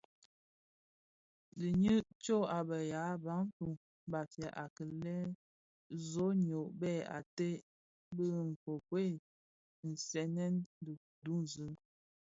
Diňi tsôg a be yaa Bantu (Bafia) a kilè zonoy bèè ated bi nkokuel nsènèn duňzi,